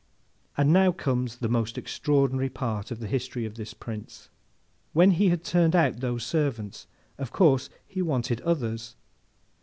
And now comes the most extraordinary part of the history of this Prince. When he had turned out those servants, of course he wanted others.